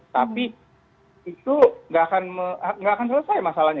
tapi itu nggak akan selesai masalahnya